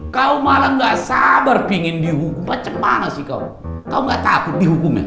kau malah gak sabar pingin dihukum pacemana sih kau kau gak takut dihukum ya